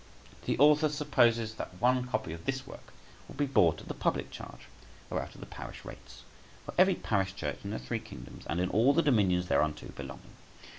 The author supposes that one copy of this work will be bought at the public charge, or out of the parish rates, for every parish church in the three kingdoms, and in all the dominions thereunto belonging.